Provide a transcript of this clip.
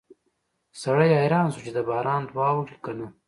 سړی حیران شو چې د باران دعا وکړي که نه